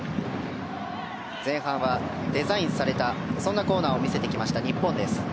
前半はデザインされたそんなコーナーを見せてきました日本。